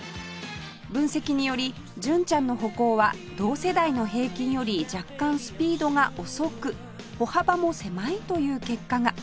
分析により純ちゃんの歩行は同世代の平均より若干スピードが遅く歩幅も狭いという結果が